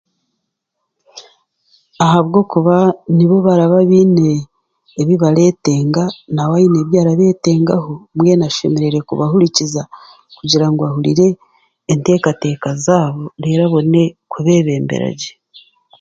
Ahabwokuba nibo baraba biine ebi baretenga, nawe aine ebi arabetengaho, mbwenu ashemereire kubahurikiza kugira ngu ahurire enteekateeka zaabo reero abone kubeebemberagye.